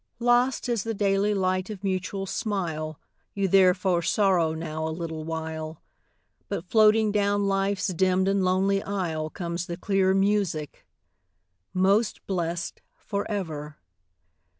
Lost is the daily light of mutual smile, You therefore sorrow now a little while; But floating down life's dimmed and lonely aisle Comes the clear music: 'Most blessed for ever!'